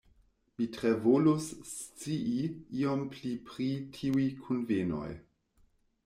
Mi tre volus scii iom pli pri tiuj kunvenoj.